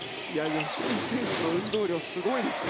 吉井選手の運動量すごいですね。